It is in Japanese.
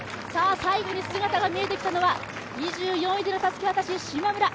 最後に姿が見えてきたのは２４位でのたすき渡し、しまむら。